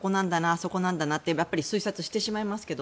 そこなんだなとやっぱり推察してしまいますけど。